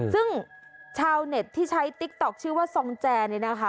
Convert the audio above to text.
ซึ่งชาวเน็ตที่ใช้ติ๊กต๊อกชื่อว่าซองแจนี่นะคะ